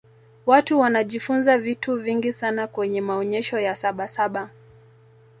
watu wanajifunza vitu vingi sana kwenye maonyesho ya sabasaba